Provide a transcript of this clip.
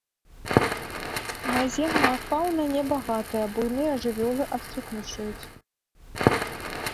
Наземная фаўна не багатая, буйныя жывёлы адсутнічаюць.